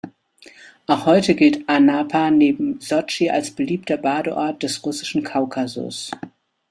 Auch heute gilt Anapa neben Sotschi als beliebter Badeort des russischen Kaukasus.